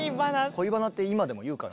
「恋バナ」って今でも言うかな？